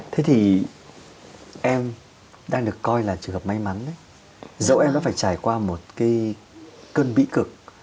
thế thì em đang được coi là trường hợp may mắn đấy dẫu em đã phải trải qua một cơn bí cực